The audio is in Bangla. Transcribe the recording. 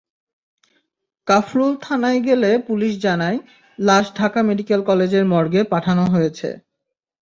কাফরুল থানায় গেলে পুলিশ জানায়, লাশ ঢাকা মেডিকেল কলেজের মর্গে পাঠানো হয়েছে।